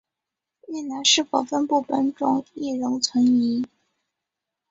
越南是否分布本种亦仍存疑。